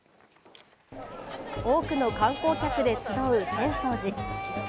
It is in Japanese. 多くの観光客で集う浅草寺。